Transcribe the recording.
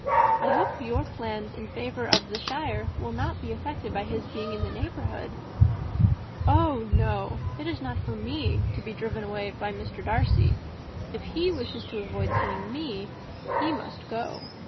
I hope your plans in favour of the shire will not be affected by his being in the neighbourhood." "Oh no it is not for me to be driven away by Mr. Darcy. If he wishes to avoid seeing me he must go.